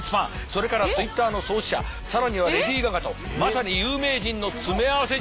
それからＴｗｉｔｔｅｒの創始者更にはレディー・ガガとまさに有名人の詰め合わせ状態だ。